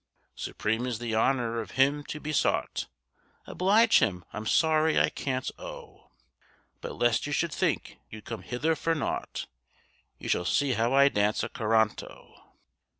Supreme is the honor, of him to be sought; Oblige him I'm sorry I can't, oh! But lest you should think you'd come hither for nought, You shall see how I dance a coranto!"